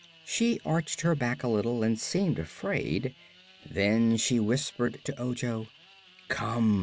She arched her back a little and seemed afraid. Then she whispered to Ojo: "Come!"